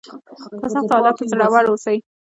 په سختو حالاتو کې زړور اوسئ.